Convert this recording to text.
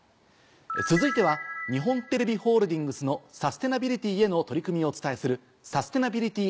続いては日本テレビホールディングスのサステナビリティへの取り組みをお伝えする。